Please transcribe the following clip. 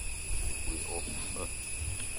Уиӏоф шӏу!